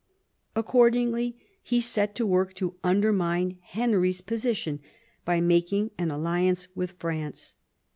Accordingly he set to work to undermine Henry's position by mafang an alliance with France.